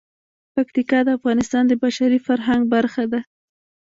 پکتیکا د افغانستان د بشري فرهنګ برخه ده.